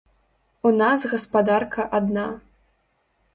У нас гаспадарка адна.